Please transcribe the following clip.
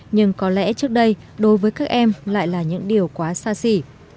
nhưng có lẽ trước đây đối với các em lại là những điều quá xa xỉ